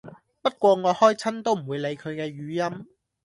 不過我開親都唔會理佢嘅語音